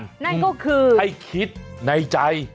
นั่นก็คือให้คิดในใจ